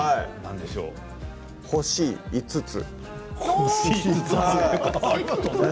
星５つ。